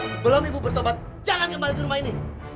sebelum ibu bertobat jangan kembali ke rumah ini